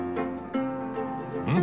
うん？